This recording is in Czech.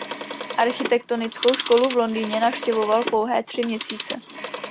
Architektonickou školu v Londýně navštěvoval pouhé tři měsíce.